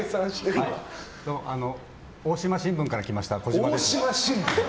大島新聞から来ました児嶋です。